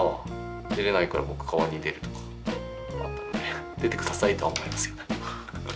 出れないから僕代わりに出るとかあったので出て下さいとは思いますよね。